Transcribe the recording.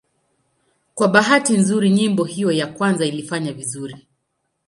Kwa bahati nzuri nyimbo hiyo ya kwanza ilifanya vizuri.